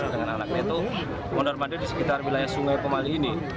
dengan anaknya itu mondor mandir di sekitar wilayah sungai pemali ini